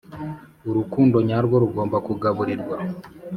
Urukundo nyarwo rugomba kugaburirwa?